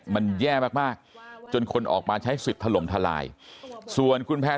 มันแย่มากว่าจึงคนออกมาใช้สิทธ์ถล่มถลายส่วนเพศ